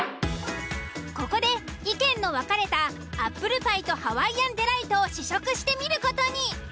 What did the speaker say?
ここで意見の分かれたアップルパイとハワイアンデライトを試食してみる事に。